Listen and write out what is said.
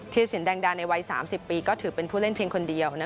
สินแดงดาในวัย๓๐ปีก็ถือเป็นผู้เล่นเพียงคนเดียว